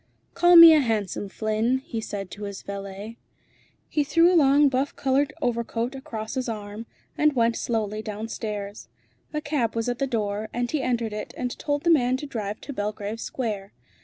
"Call me a hansom, Flynn," he said to his valet. He threw a long buff coloured overcoat across his arm, and went slowly downstairs. A cab was at the door, and he entered it and told the man to drive to Belgrave Square.